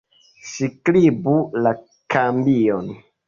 Skribu la kambion.